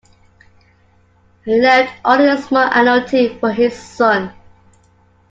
He left only a small annuity for his son.